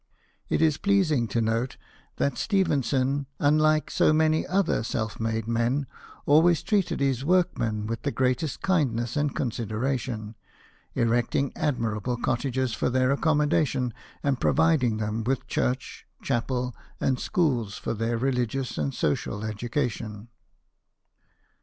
It is pleasing to note that Stephen son, unlike too many other self made men, always treated his workmen with the greatest kindness and consideration, erecting admirable cottages for their accommodation, and providing them with church, chapel, and schools for their religious and social education.